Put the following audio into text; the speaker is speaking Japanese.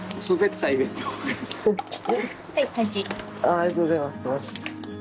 ありがとうございます。